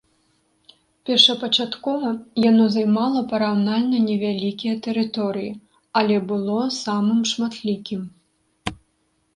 Першапачаткова, яно займала параўнальна невялікія тэрыторыі, але было самым шматлікім.